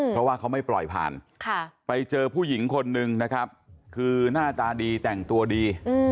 เพราะว่าเขาไม่ปล่อยผ่านไปเจอผู้หญิงคนนึงนะครับคือหน้าตาดีแต่งตัวดี